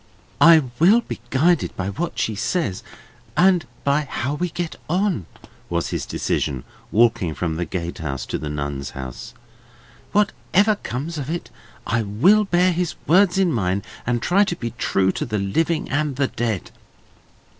"I will be guided by what she says, and by how we get on," was his decision, walking from the gatehouse to the Nuns' House. "Whatever comes of it, I will bear his words in mind, and try to be true to the living and the dead."